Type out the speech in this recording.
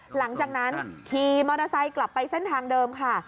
หลังจากนั้นขี่มอเตอร์ไซค์กลับไปเส้นทางเดิมค่ะ